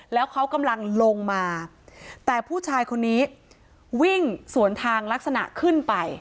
แล้วเขากำลังลงมาแต่ผู้ชายคนนี้วิ่งสวนทางลักษณะขึ้นไป